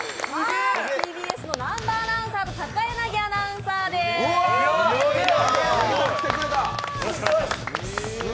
ＴＢＳの南波アナウンサーと高柳アナウンサーです。